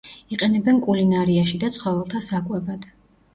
იყენებენ კულინარიაში და ცხოველთა საკვებად.